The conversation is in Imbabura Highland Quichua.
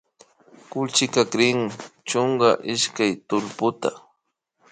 Kuychika chrin chunka ishkay tullputa